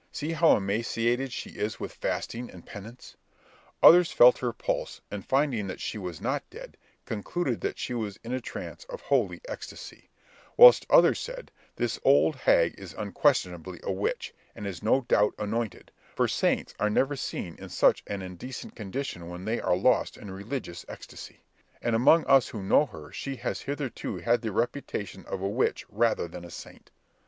See how emaciated she is with fasting and penance." Others felt her pulse, and finding that she was not dead, concluded that she was in a trance of holy ecstacy; whilst others said, "This old hag is unquestionably a witch, and is no doubt anointed, for saints are never seen in such an indecent condition when they are lost in religious ecstacy; and among us who know her, she has hitherto had the reputation of a witch rather than a saint."